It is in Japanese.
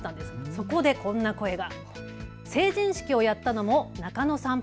そこでこんな声が。